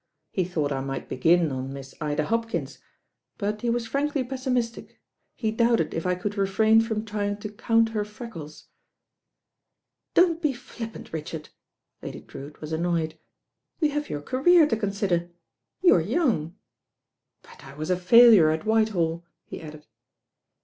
He thought I might begin on Miss Ida Hopkins; but he was frankly pessimis tic. He doubted if I could refrain from trying to count her freckles." "Don't be flippant, Richard." Lady Drewitt was annoyed. "You have your career to consider. You are young." "But I was a failure at WhitehaU," he added.